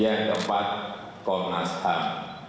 yang keempat komnas ham